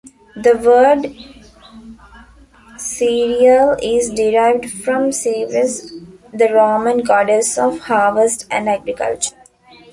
The word "cereal" is derived from "Ceres", the Roman goddess of harvest and agriculture.